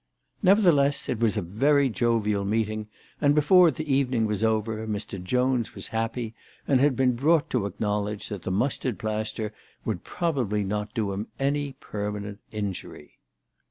Nevertheless it was a very jovial meeting, and before the evening was over Mr. Jones was happy, and had been brought to acknowledge that the mustard plaster would probably not do him any permanent injury.